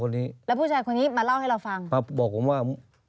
ต้องมาบอกว่า